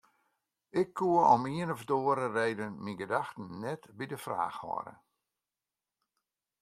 Ik koe om ien of oare reden myn gedachten net by de fraach hâlde.